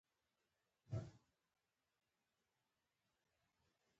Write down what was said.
تنور د تودو نانو بوی ورکوي